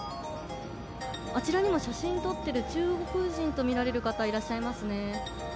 あちらにも写真撮ってる中国人と見られる方、いらっしゃいますね。